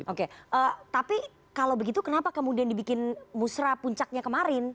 oke tapi kalau begitu kenapa kemudian dibikin musra puncaknya kemarin